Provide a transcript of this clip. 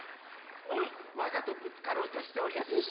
わざとぶつかろうとしておりやせんか？